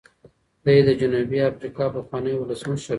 دی د جنوبي افریقا پخوانی ولسمشر و.